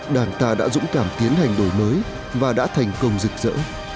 đảng ta đã dũng cảm tiến hành đổi mới và đã thành công rực rỡ